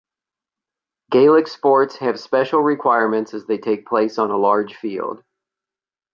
Gaelic sports have special requirements as they take place on a large field.